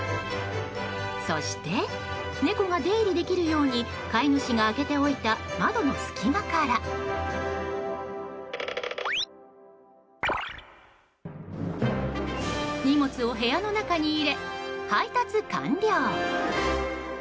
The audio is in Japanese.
そして猫が出入りできるように飼い主が開けておいた窓の隙間から荷物を部屋の中に入れ配達完了。